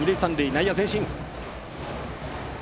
内野前進。